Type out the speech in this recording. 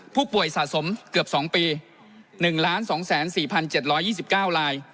ผู้ป่วยสะสมเกือบ๒ปี๑๒๔๗๒๙ลาย